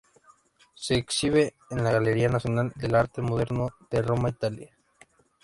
Se exhibe en la Galería Nacional de Arte Moderno de Roma, Italia.